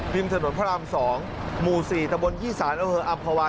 บิมถนนพระอาม๒หมู่๔ตะบลยี่สานเอาเหอะอัมภาวา